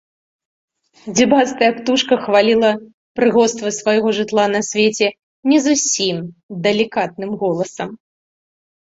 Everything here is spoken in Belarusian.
Дзюбастая птушка хваліла прыгоства свайго жытла на свеце не зусім далікатным голасам.